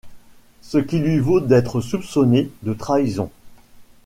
Ce qui lui vaut d'être soupçonné de trahison.